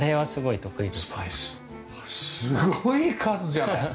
すごい数じゃない！